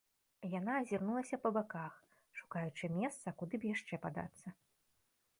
Яна азірнулася па баках, шукаючы месца, куды б яшчэ падацца.